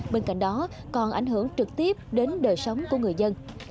bên cạnh đó còn ảnh hưởng trực tiếp đến đời sống của người dân